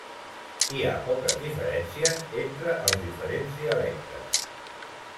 Hi ha poques diferències entre els diferents dialectes.